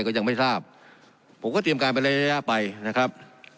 ก็ยังไม่ทราบผมก็เตรียมการไประยะไปนะครับ